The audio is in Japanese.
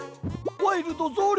ワイルド増量。